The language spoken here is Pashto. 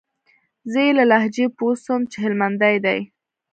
زه يې له لهجې پوه سوم چې هلمندى دى.